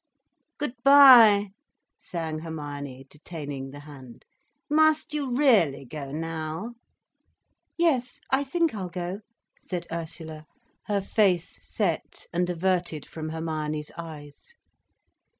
"Good bye—" sang Hermione, detaining the hand. "Must you really go now?" "Yes, I think I'll go," said Ursula, her face set, and averted from Hermione's eyes.